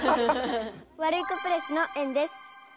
ワルイコプレスのえんです。